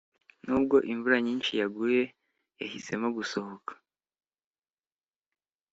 nubwo imvura nyinshi yaguye, yahisemo gusohoka